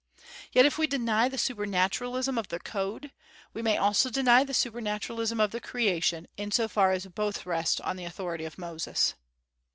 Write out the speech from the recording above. Yet if we deny the supernaturalism of the code, we may also deny the supernaturalism of the creation, in so far as both rest on the authority of Moses.